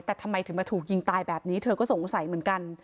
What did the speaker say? แต่ทำไมถึงมาถูกยิงตายแบบนี้เธอก็สงสัยเหมือนกัน